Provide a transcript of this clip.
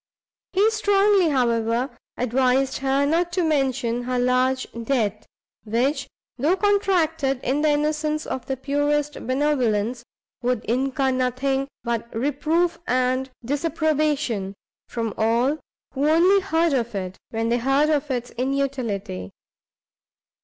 He strongly, however, advised her not to mention her large debt, which, though contracted in the innocence of the purest benevolence, would incur nothing but reproof and disapprobation, from all who only heard of it, when they heard of its inutility.